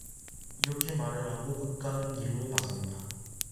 이렇게 말을 하고 읍 가는 길로 나선다.